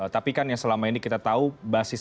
tapi kan yang selama ini kita tahu basis